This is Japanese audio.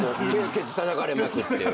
ケツたたかれまくって。